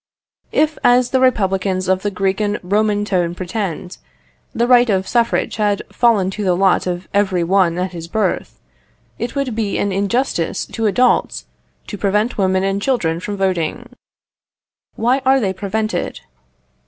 If, as the republicans of the Greek and Roman tone pretend, the right of suffrage had fallen to the lot of every one at his birth, it would be an injustice to adults to prevent women and children from voting. Why are they prevented?